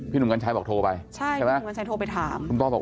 พี่หนุ่มกันชายบอกโทรไปใช่ไหมคุณหนุ่มกันชายโทรไปถามคุณปอร์บอก